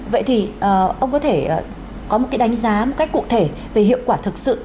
vậy thì ông có thể có một cái đánh giá một cách cụ thể về hiệu quả thực sự